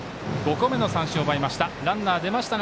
５個目の三振を奪いました。